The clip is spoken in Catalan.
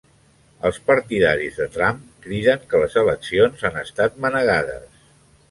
Els partidaris de Trump criden que les eleccions han estat manegades.